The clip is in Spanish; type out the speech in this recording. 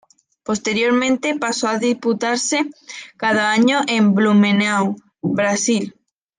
Posteriormente paso a disputarse cada año en Blumenau, Brasil.